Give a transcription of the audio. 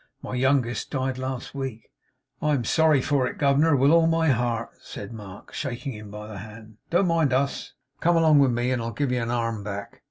My youngest died last week.' 'I'm sorry for it, governor, with all my heart,' said Mark, shaking him by the hand. 'Don't mind us. Come along with me, and I'll give you an arm back.